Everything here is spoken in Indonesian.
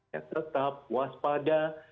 ya tetap waspada